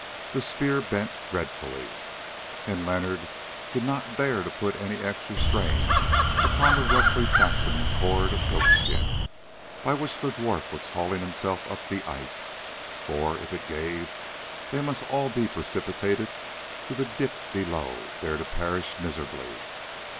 The spear bent dreadfully, and Leonard did not dare to put any extra strain upon the roughly fastened cord of goat skin, by which the dwarf was hauling himself up the ice, for if it gave they must all be precipitated to the dip below, there to perish miserably.